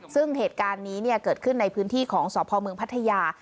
ซึ่งเหตุการณ์นี้เกิดขึ้นในพื้นที่ของสพเมืองพัทยา